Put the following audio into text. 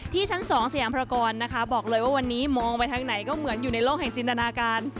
ชั้น๒สยามพระกรนะคะบอกเลยว่าวันนี้มองไปทางไหนก็เหมือนอยู่ในโลกแห่งจินตนาการ